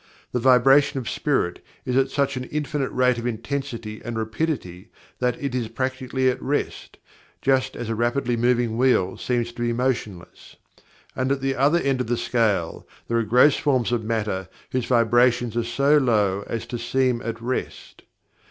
The vibration of Spirit is at such an infinite rate of intensity and rapidity that it is practically at rest just as a rapidly moving wheel seems to be motionless. And at the other end of the scale, there are gross forms of matter whose vibrations are so low as to seem at rest.